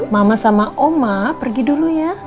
mama sama oma pergi dulu ya